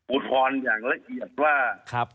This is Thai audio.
อูดหวอนอย่างละเอียดว่า